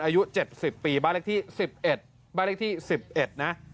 อายุเจ็ดสิบปีบ้านเลขที่สิบเอ็ดบ้านเลขที่สิบเอ็ดนะ